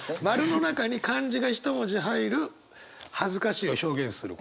○の中に漢字が一文字入る恥ずかしいを表現する言葉。